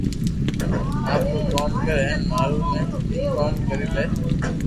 آپرو ڪوم ڪر ھين مارو بي ڪوم ڪرو لي